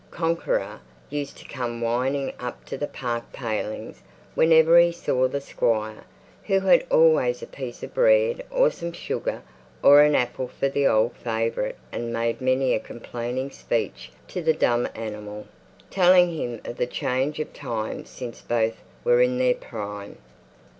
Conqueror used to come whinnying up to the park palings whenever he saw the Squire, who had always a piece of bread, or some sugar, or an apple for the old favourite; and would make many a complaining speech to the dumb animal, telling him of the change of times since both were in their prime.